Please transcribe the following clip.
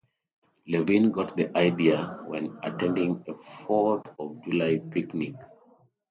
Levine got the idea when attending a Fourth of July picnic.